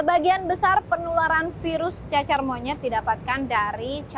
sebagian besar penularan virus cacar monyet didapatkan dari